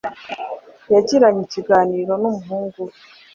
yagiranye Ikiganiro n’umuhungu we